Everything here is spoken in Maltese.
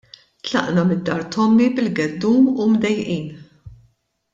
Tlaqna mid-dar t'ommi bil-geddum u mdejqin.